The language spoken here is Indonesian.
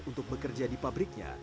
untuk bekerja di pabriknya